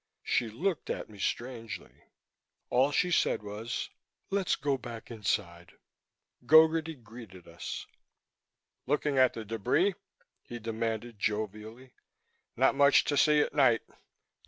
She looked at me strangely. All she said was, "Let's go back inside." Gogarty greeted us. "Looking at the debris?" he demanded jovially. "Not much to see at night.